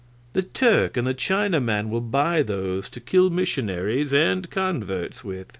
The Turk and the Chinaman will buy those to kill missionaries and converts with."